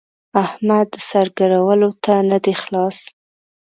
احمد د سر ګرولو ته نه دی خلاص.